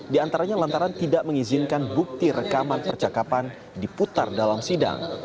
di antaranya lantaran tidak mengizinkan bukti rekaman percakapan diputar dalam sidang